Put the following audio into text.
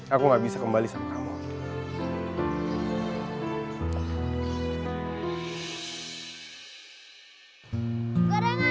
aku gak bisa kembali sama kamu